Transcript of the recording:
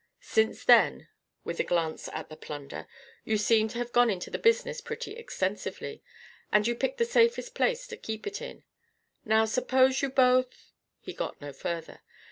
Since then" with a glance at the plunder "you seem to have gone into the business pretty extensively. And you picked the safest place to keep it in. Now, suppose you both " He got no further.